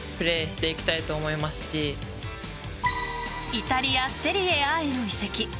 イタリア・セリエＡへの移籍。